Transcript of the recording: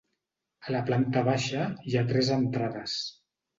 A la planta baixa hi ha tres entrades.